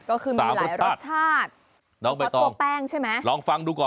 ก็คือมีหลายรสชาติรสโก้แป้งใช่ไหมสามรสชาติน้องใบตอง